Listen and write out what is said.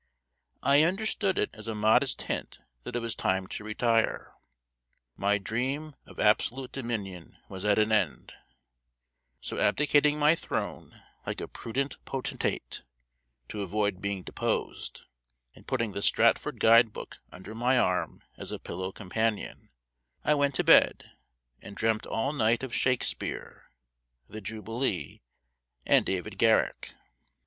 I understood it as a modest hint that it was time to retire. My dream of absolute dominion was at an end; so abdicating my throne, like a prudent potentate, to avoid being deposed, and putting the Stratford Guide Book under my arm as a pillow companion, I went to bed, and dreamt all night of Shakespeare, the jubilee, and David Garrick.